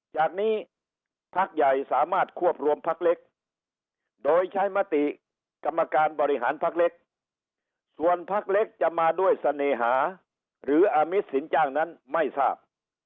จากนี้พักใหญ่สามารถควบรวมพักเล็กโดยใช้มติกรรมการบริหารพักเล็กส่วนพักเล็กจะมาด้วยเสน่หาหรืออามิตสินจ้างนั้นไม่ทราบ